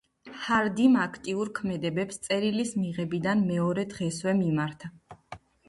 ჰარდიმ აქტიურ ქმედებებს წერილის მიღებიდან მეორე დღესვე მიმართა.